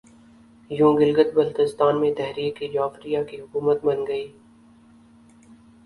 یوں گلگت بلتستان میں تحریک جعفریہ کی حکومت بن گئی